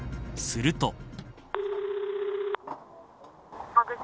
すると。